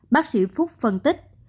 bác sĩ phúc phân tích